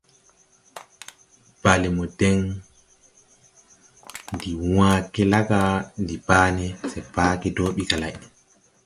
Bale mo deŋ ndi wãã ge la ga ndi baa ne, se baa ge do ɓi ga lay.